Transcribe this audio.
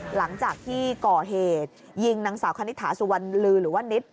หลังจากที่ก่อเหตุยิงนางสาวคณิตถาสุวรรณลือหรือว่านิด